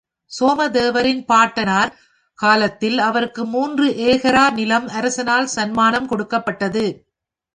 சோமதேவரின் பாட்டனார் காலத்தில் அவருக்கு மூன்று ஏகரா நிலம் அரசனால் சன்மானம் கொடுக்கப்பட்டது.